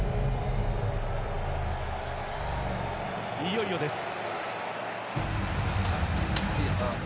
いよいよです。